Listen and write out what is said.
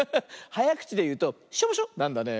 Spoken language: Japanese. はやくちでいうと「しょぼしょ」なんだね。